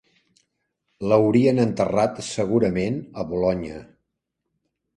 L'haurien enterrat segurament a Bolonya.